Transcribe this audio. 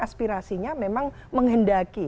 aspirasinya memang menghendaki